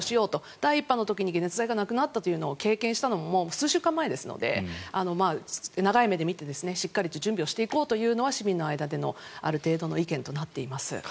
第１波の時に解熱剤がなくなったというのを経験したのももう数週間前ですので長い目で見て、しっかりと準備をしていこうというのは市民の間でのある程度の意見となっています。